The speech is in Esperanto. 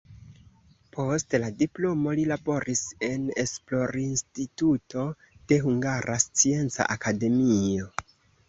Post la diplomo li laboris en esplorinstituto de Hungara Scienca Akademio.